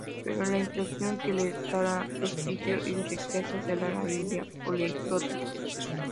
Pero la impresión que le dará prestigio y riqueza será la Biblia políglota.